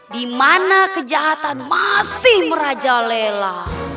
di mana kejahatan masih merajalela